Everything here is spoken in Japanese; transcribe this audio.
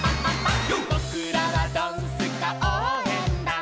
「ぼくらはドンスカおうえんだん」